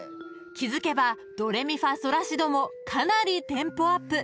［気付けばドレミファソラシドもかなりテンポアップ］